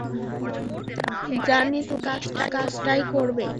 জানি, তুমি ঠিক কাজটাই করবে।